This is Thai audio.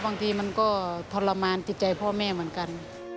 บางทีมันก็ทรมานจิตใจพ่อแม่เหมือนกัน